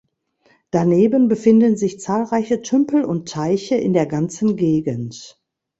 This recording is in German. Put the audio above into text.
Daneben befinden sich zahlreiche Tümpel und Teiche in der ganzen Gegend.